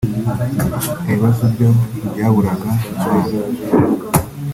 Ibibazo byo ntibyaburaga mu bana